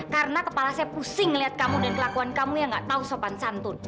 karena kepala saya pusing ngeliat kamu dan kelakuan kamu ya gak tau sopan santun